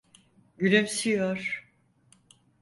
Gülümsüyor.